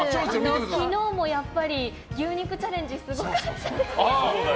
昨日もやっぱり牛肉チャレンジすごかったですね。